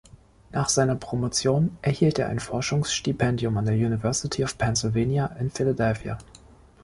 Nach seiner Promotion erhielt er ein Forschungsstipendium der University of Pennsylvania in Philadelphia.